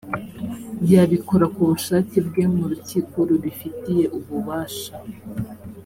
yabikora ku bushake bwe mu rukiko rubifitiye ububasha